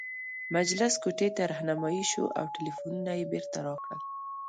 مجلس کوټې ته رهنمايي شوو او ټلفونونه یې بیرته راکړل.